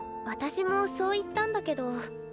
私もそう言ったんだけど。